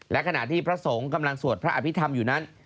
และขณะที่พระสงฆ์กำลังสวดพระอภิษฐรรมอยู่นั้น